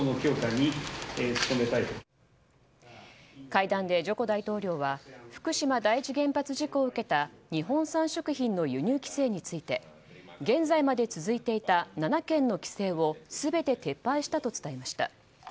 会談でジョコ大統領は福島第一原発事故を受けた日本産食品の輸入規制について現在まで続いていた７県の規制を全て撤廃したと伝えました。